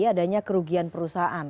adanya kerugian perusahaan